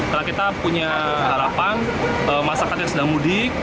karena kita punya harapan masyarakat yang sedang mudik